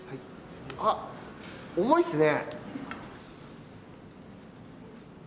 あ、重いっすね。